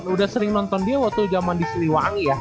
udah sering nonton dia waktu zaman di siliwangi ya